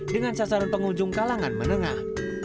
dengan sasaran pengunjung kalangan menengah